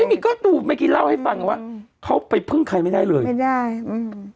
ไม่มีก็ดูเมื่อกี้เล่าให้ฟังว่าเขาไปพึ่งใครไม่ได้เลยไม่ได้อืม